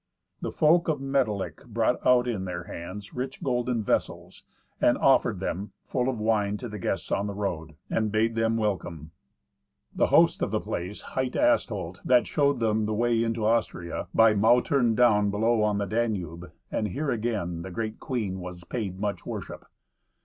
The folk of Medilick brought out in their hands rich golden vessels, and offered them, full of wine, to the guests on the road, and bade them welcome. The host of the place hight Astolt, that showed them the way into Austria, by Mautern down below on the Danube; and here, again, the great queen was paid much worship.